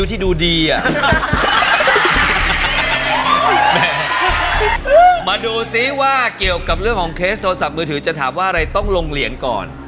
มาดูซิว่าเกี่ยวกับเรื่องของเคสโทรศัพท์มือถือจะถามว่าอะไรต้องลงเหรียญก่อน